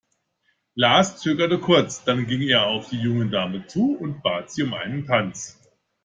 Lars zögerte kurz, dann ging er auf die junge Dame zu und bat sie um einen Tanz.